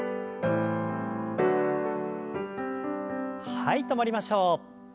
はい止まりましょう。